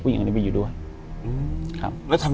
อยู่ที่แม่ศรีวิรัยิลครับ